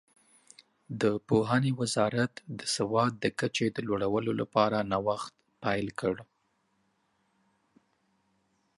د پوهنې وزارت د سواد د کچې د لوړولو لپاره نوښت پیل کړ.